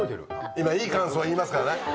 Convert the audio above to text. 今いい感想を言いますからね。